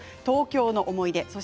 東京の思い出